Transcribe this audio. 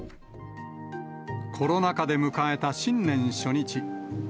コロナ禍で迎えた新年初日。